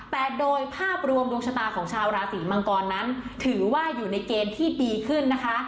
แต่โดยภาพรวมดวงชะตาของชาวราศีมังกรนั้นถือว่าอยู่ในเกณฑ์ที่ดีขึ้นนะคะ